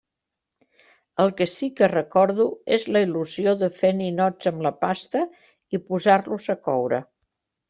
El que sí que recordo és la il·lusió de fer ninots amb la pasta i posar-los a coure.